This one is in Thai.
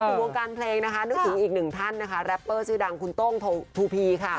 ในวงการเพลงนึกถึงอีกหนึ่งท่านแรปเปอร์ชื่อดังคุณต้งทูพี